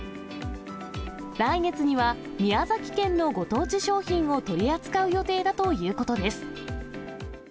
来月には、宮崎県のご当地商品を取り扱う予定だということです。